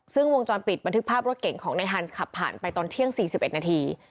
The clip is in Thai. ซึ่งวงจรปิดบันทึกภาพรถเก่งของในฮันส์ขับผ่านไปตอนเที่ยง๔๑นาที